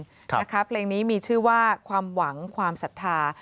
นะคะเพลงนี้มีชื่อว่าความหวังความศรัทธา